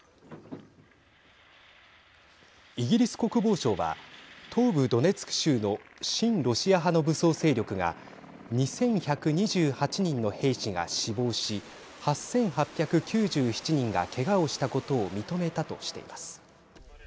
イギリス国防省は東部ドネツク州の親ロシア派の武装勢力が２１２８人の兵士が死亡し８８９７人がけがをしたことを認めたとしています。